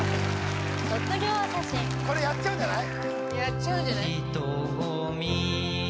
「卒業写真」やっちゃうんじゃない？